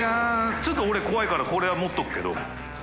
ちょっと俺怖いから海譴持っておくけど。